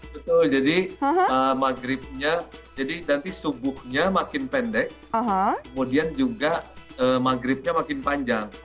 betul jadi maghribnya jadi nanti subuhnya makin pendek kemudian juga maghribnya makin panjang